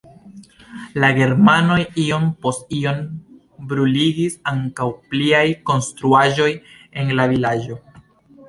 La germanoj iom post iom bruligis ankaŭ pliaj konstruaĵoj en la vilaĝo.